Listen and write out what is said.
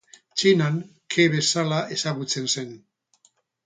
Txinan Ke bezala ezagutzen zen.